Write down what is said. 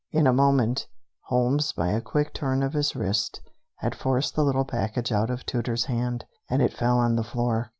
In a moment, Holmes, by a quick turn of his wrist, had forced the little package out of Tooter's hand, and it fell on the floor.